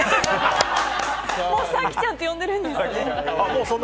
もう早紀ちゃんって呼んでるんですね。